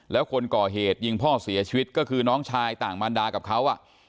แล้วคนก่อเหตุยิงพ่อเสียชีวิตก็คือน้องชายต่างมันดากับเขา